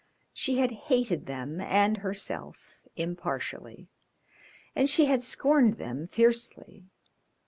She had hated them and herself impartially, and she had scorned them fiercely.